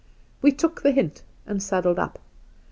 We took the hint, and saddled up.